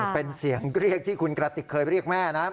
เป็นเสียงเรียกที่คุณกระติกเคยเรียกแม่นะครับ